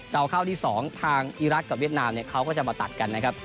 เราเข้าที่๒ทางอีรักษ์กับเวียดนามเนี่ยเขาก็จะมาตัดกันนะครับ